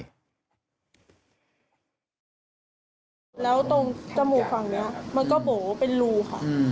แล้วตรงจมูกฝั่งเนี่ยมันก็บอกว่าเป็นรูค่ะ